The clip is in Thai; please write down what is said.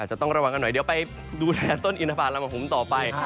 จะต้องระวังกันหน่อยเดี๋ยวไปดูแลต้นอินทบาทลำกับผมต่อไป